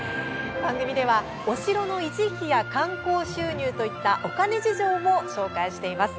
番組では、お城の維持費や観光収入といったお金事情も紹介しています。